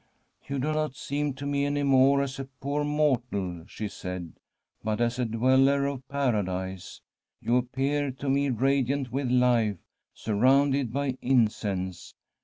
' You do not seem to me any more as a poor mortal/ she said, ' but as a dweller of Paradise. You appear to me radiant with life, surrounded by incense.